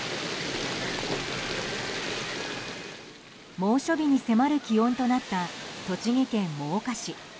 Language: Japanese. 猛暑日に迫る気温となった栃木県真岡市。